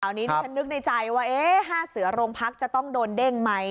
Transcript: คราวนี้นี่ฉันนึกในใจว่าเอ๊ะห้าเสือโรงพักจะต้องโดนเด้งไหม